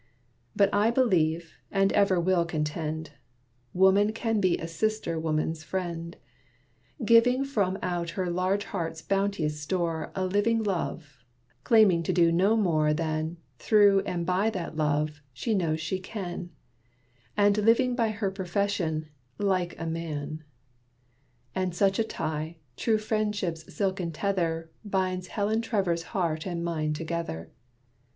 But I believe, and ever will contend, Woman can be a sister woman's friend, Giving from out her large heart's bounteous store A living love claiming to do no more Than, through and by that love, she knows she can; And living by her professions, like a man. And such a tie, true friendship's silken tether, Binds Helen Trevor's heart and mine together.